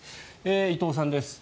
伊藤さんです